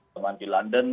teman di london